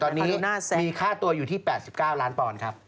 ตอนนี้มีค่าตัวอยู่ที่๘๙ล้านปอนด์ครับ